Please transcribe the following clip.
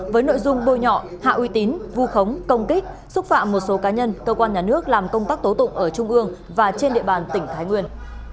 với nội dung bôi nhọ hạ uy tín vu khống công kích xúc phạm một số cá nhân cơ quan nhà nước làm công tác tố tụng ở trung ương và trên địa bàn tỉnh thái nguyên